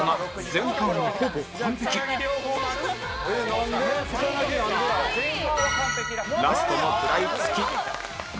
「前半は完璧だ」ラストも食らいつき○